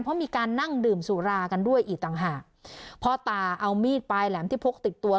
เพราะมีการนั่งดื่มสุรากันด้วยอีกต่างหากพ่อตาเอามีดปลายแหลมที่พกติดตัว